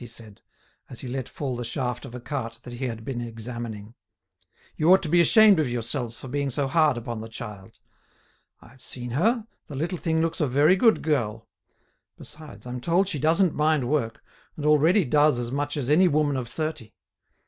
he said, as he let fall the shaft of a cart that he had been examining. "You ought to be ashamed of yourselves for being so hard upon the child. I've seen her, the little thing looks a very good girl. Besides, I'm told she doesn't mind work, and already does as much as any woman of thirty.